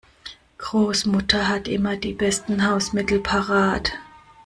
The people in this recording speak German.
Großmutter hat immer die besten Hausmittel parat.